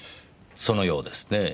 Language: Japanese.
そのようですねぇ。